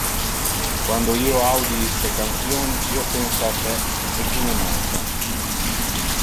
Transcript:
Quando io audi iste cantion, io pensa a te, e tu me manca.